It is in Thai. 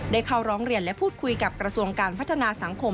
เข้าร้องเรียนและพูดคุยกับกระทรวงการพัฒนาสังคม